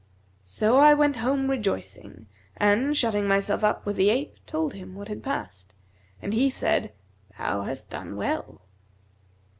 So I went home rejoicing and, shutting myself up with the ape, told him what had passed; and he said 'Thou hast done well.'